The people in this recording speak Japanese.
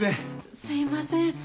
すいません。